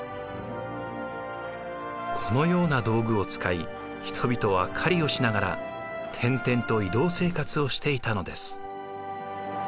このような道具を使い人々は狩りをしながら転々と移動生活をしていたのです。